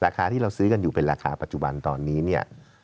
ที่เราซื้อกันอยู่เป็นราคาปัจจุบันตอนนี้เนี่ย